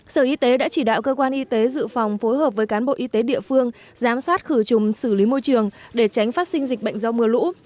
sở y tế đã chỉ đạo cơ quan y tế dự phòng phối hợp với cán bộ y tế địa phương giám sát khử trùng xử lý môi trường để tránh phát sinh dịch bệnh do mưa lũ